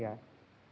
jadi kalau kita lihat